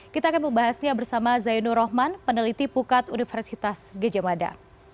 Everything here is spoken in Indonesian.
kita akan membahasnya bersama zainur rohman peneliti pukat universitas gejamada